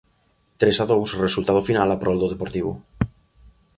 Tres a dous, resultado final a prol do Deportivo.